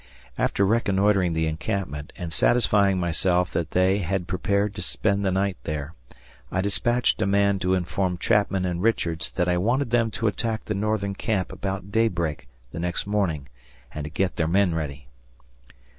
After reconnoitring the encampment and satisfying myself that they had prepared to spend the night there, I dispatched a man to inform Chapman and Richards that I wanted them to attack the Northern camp about daybreak the next morning, and to get their men ready.